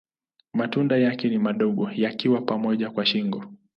Matunda yake ni madogo yakiwa pamoja kwa shingo.